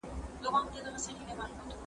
زه کتابتون ته تللی دی.